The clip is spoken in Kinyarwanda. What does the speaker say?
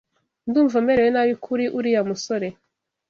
Ndumva merewe nabi kuri uriya musore.